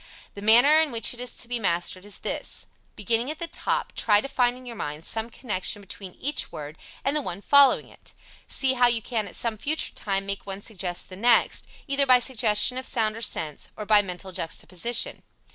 The manner in which it is to be mastered is this: Beginning at the top, try to find in your mind some connection between each word and the one following it. See how you can at some future time make one suggest the next, either by suggestion of sound or sense, or by mental juxtaposition.